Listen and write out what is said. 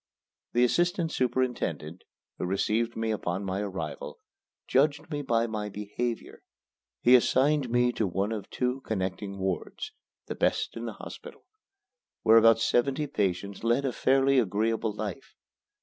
The assistant superintendent, who received me upon my arrival, judged me by my behavior. He assigned me to one of two connecting wards the best in the hospital where about seventy patients led a fairly agreeable life.